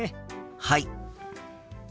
はい。